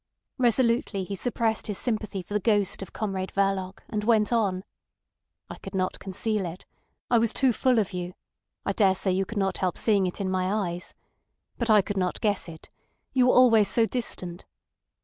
Resolutely he suppressed his sympathy for the ghost of Comrade Verloc, and went on. "I could not conceal it. I was too full of you. I daresay you could not help seeing it in my eyes. But I could not guess it. You were always so distant.